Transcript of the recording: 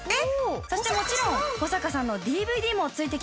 そしてもちろん保阪さんのＤＶＤもついてきますので。